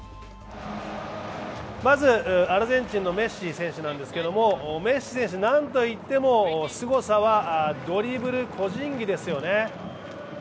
まず、アルゼンチンのメッシ選手なんですけども、メッシ選手、なんといってもすごさはドリブル、個人技ですよね。